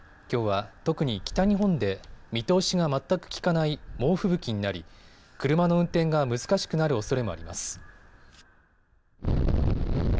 きょうは特に北日本で見通しが全く利かない猛吹雪になり車の運転が難しくなるおそれもあります。